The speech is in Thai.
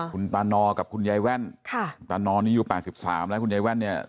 คุณตานอกับคุณยายแว่นค่ะตานอนี้อยู่๘๓แล้วคุณยายแว่นเนี่ย